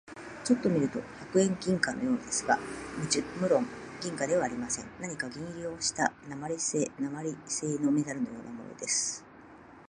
ちょっと見ると百円銀貨のようですが、むろん銀貨ではありません。何か銀色をした鉛製なまりせいのメダルのようなものです。